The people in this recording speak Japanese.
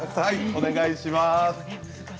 お願いします。